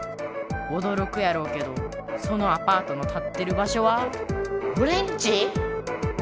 おどろくやろうけどそのアパートのたってる場所はおれんち⁉